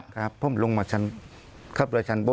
ครับผมลงมาชั้น